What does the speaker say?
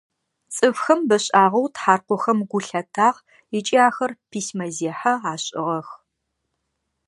Цӏыфхэм бэшӏагъэу тхьаркъохэм гу лъатагъ ыкӏи ахэр письмэзехьэ ашӏыгъэх.